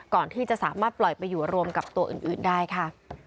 ก่อนที่จะสามารถปล่อยไปอยู่รวมกับตัวอื่นได้ค่ะ